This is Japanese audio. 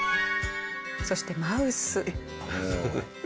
そしてマウス。